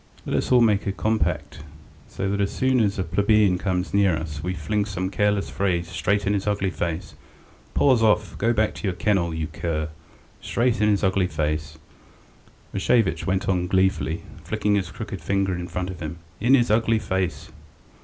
Let us all make a compact, that as soon as a plebeian comes near us we fling some careless phrase straight in his ugly face: 'Paws off! Go back to your kennel, you cur!' straight in his ugly face," Rashevitch went on gleefully, flicking his crooked finger in front of him. "In his ugly face!"